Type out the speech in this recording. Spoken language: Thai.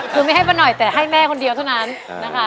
คือไม่ให้มาหน่อยแต่ให้แม่คนเดียวเท่านั้นนะคะ